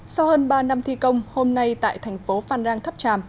sau hơn ba năm thi công hôm nay tại thành phố phan rang tháp tràm